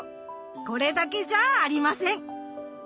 これだけじゃあありません。